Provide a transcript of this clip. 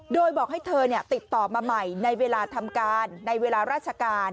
โดยบอกให้เธอติดต่อมาใหม่ในเวลาทำการในเวลาราชการ